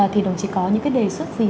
thì đồng chỉ có những cái đề xuất gì